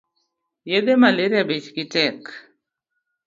Yedhe malaria bech gi tek